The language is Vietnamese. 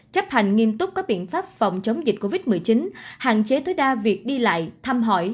chấp hành nghiêm túc các biện pháp phòng chống dịch covid một mươi chín hạn chế tối đa việc đi lại thăm hỏi